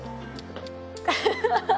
ハハハハ！